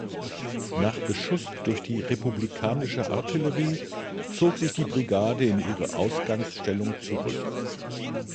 Nach Beschuss durch die republikanische Artillerie zog sich die Brigade in ihre Ausgangsstellung zurück.